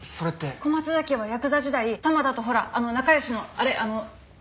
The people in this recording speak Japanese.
小松崎はヤクザ時代玉田とほらあの仲良しのあれあのおちょこ？